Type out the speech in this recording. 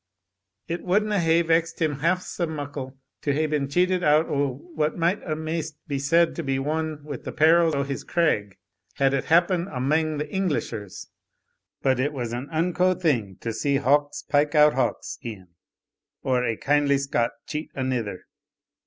"It wadna hae vexed him half sae muckle to hae been cheated out o' what might amaist be said to be won with the peril o' his craig, had it happened amang the Inglishers; but it was an unco thing to see hawks pike out hawks' e'en, or ae kindly Scot cheat anither.